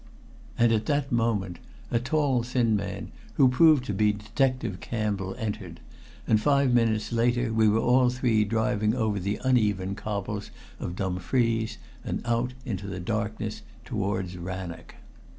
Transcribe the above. And at that moment a tall, thin man, who proved to be Detective Campbell, entered, and five minutes later we were all three driving over the uneven cobbles of Dumfries and out in the darkness towards Rannoch.